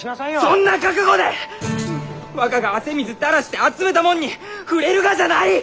そんな覚悟で若が汗水たらして集めたもんに触れるがじゃない！